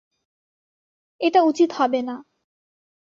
এটা উচিত হবে না।